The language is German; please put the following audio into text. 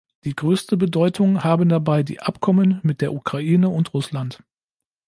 Die größte Bedeutung haben dabei die Abkommen mit der Ukraine und Russland.